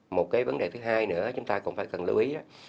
một cái vấn đề thứ hai nữa chúng ta còn cần lưu ý